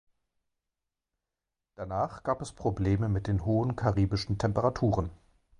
Danach gab es Probleme mit den hohen karibischen Temperaturen.